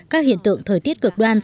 các hiện tượng thời tiết cực đoan